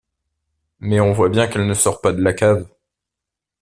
Mais on voit bien qu’elle ne sort pas de la cave.